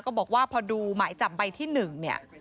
ก็บอกว่าพอดูหมายจับใบที่๑